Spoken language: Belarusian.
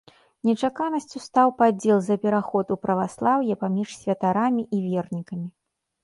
Нечаканасцю стаў падзел за пераход у праваслаўе паміж святарамі і вернікамі.